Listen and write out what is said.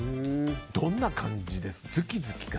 どんな感じですか？